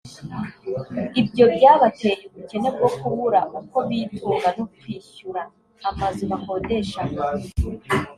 Ibyo byabateye ubukene bwo kubura uko bitunga no kwishyura amazu bakodeshaga